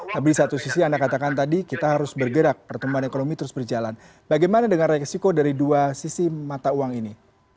tapi di satu sisi anda katakan tadi kita harus bergerak pertumbuhan ekonomi terus berjalan bagaimana dengan resiko dari dua sisi mata uang ini